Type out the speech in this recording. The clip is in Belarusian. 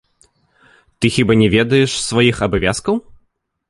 Ты хіба не ведаеш сваіх абавязкаў?